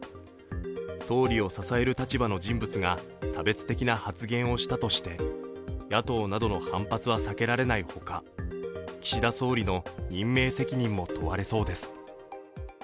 総理を支える立場の人物が差別的な発言をしたとして野党などの発言は避けられないほか岸田総理の任命責任も問われそうです。